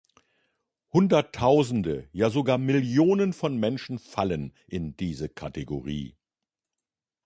Hunderttausende, ja sogar Millionen von Menschen fallen in diese Kategorie.